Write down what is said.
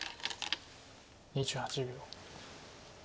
２８秒。